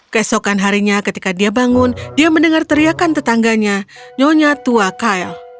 keesokan harinya ketika dia bangun dia mendengar teriakan tetangganya nyonya tua kail